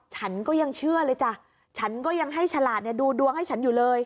ฉันก็ยังเชื่อเลยจ้ะฉันก็ยังให้ฉลาดดูดวงให้ฉันอยู่เลย